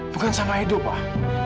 bukan sama edo pak